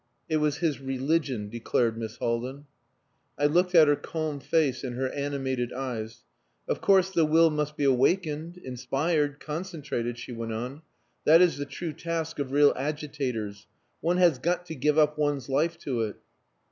"It was his religion," declared Miss Haldin. I looked at her calm face and her animated eyes. "Of course the will must be awakened, inspired, concentrated," she went on. "That is the true task of real agitators. One has got to give up one's life to it.